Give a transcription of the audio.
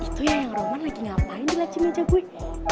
itu ya yang roman lagi ngapain di lajim meja gue